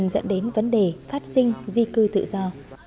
dẫn đến vấn đề phát sinh di cư tự do